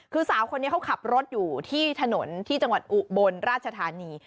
คือสาวคนนี้เขาขับรถอยู่ที่ถนนที่จังหวัดอุบลราชธานี